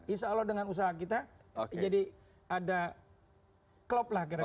insya allah dengan usaha kita jadi ada klop lah kira kira